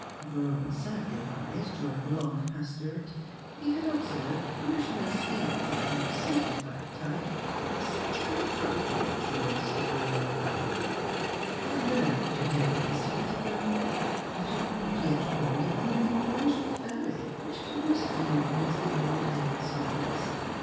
Grown sadly wise during a long pastorate he had observed that parishioners, even of the most sanctified type, sometimes appropriate the ministerial umbrella. " I learned to day, Mr. Pettibone, that you have not yet called upon an influential family which has recently moved into the old Eggleston place.